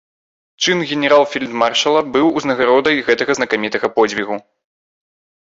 Чын генерал-фельдмаршала быў узнагародай гэтага знакамітага подзвігу.